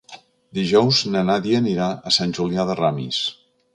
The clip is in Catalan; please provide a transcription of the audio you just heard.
Dijous na Nàdia anirà a Sant Julià de Ramis.